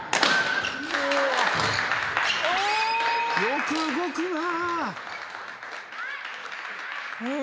よく動くな。